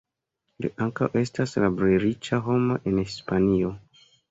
Li ankaŭ estas la plej riĉa homo en Hispanio.